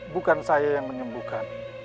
bukan saya yang menyembuhkan